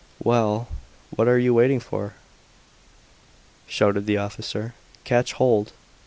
"Well, what are you waiting for?" shouted the officer. "Catch hold."